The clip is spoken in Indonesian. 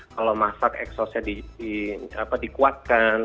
kalau masak exhaustnya dikuatkan